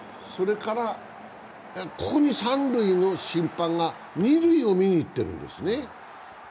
ここに三塁の審判が二塁を見に行ってるんですね。